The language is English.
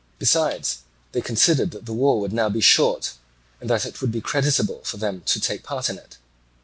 Besides, they considered that the war would now be short, and that it would be creditable for them to take part in it.